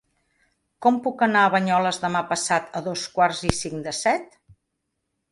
Com puc anar a Banyoles demà passat a dos quarts i cinc de set?